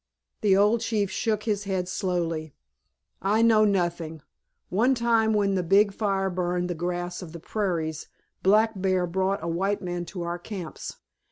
The old chief shook his head slowly. "I know nothing. One time when the big fire burn the grass of the prairies Black Bear brought a white man to our camps.